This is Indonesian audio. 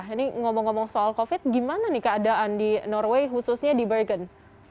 ini ngomong ngomong soal covid gimana nih keadaan di norway khususnya di bergen